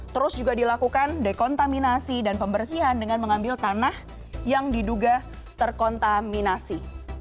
terus juga dilakukan dekontaminasi dan pembersihan dengan mengambil tanah yang diduga terkontaminasi